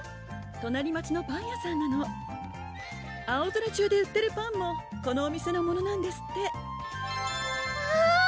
隣町のパン屋さんなのあおぞら中で売ってるパンもこのお店のものなんですってわぁ！